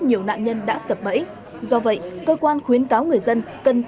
nhiều nạn nhân đã sập bẫy do vậy cơ quan khuyến cáo người bị hại tin tưởng những đối tượng lừa đảo